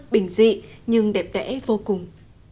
bình dị nhưng đẹp đẽ vô cùng